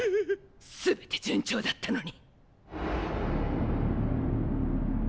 全て順調だったのに！